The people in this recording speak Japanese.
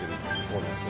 そうです